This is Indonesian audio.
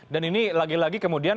dan ini lagi lagi kemudian